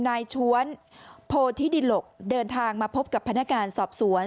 นายชวนโพธิดิหลกเดินทางมาพบกับพนักงานสอบสวน